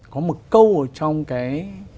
có một câu trong cái